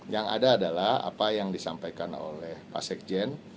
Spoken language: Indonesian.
yang ada adalah apa yang disampaikan oleh pak sekjen